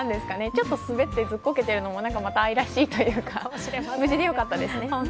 ちょっと、すべってずっこけているのもまた愛らしいというか無事でよかったですね。